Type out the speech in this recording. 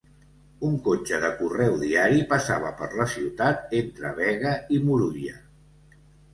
Un cotxe de correu diari passava per la ciutat entre Bega i Moruya.